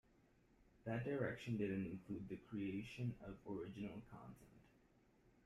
That direction didn't include the creation of original content.